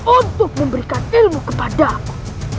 untuk memberikan ilmu kepadaku